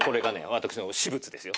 私の私物ですよ。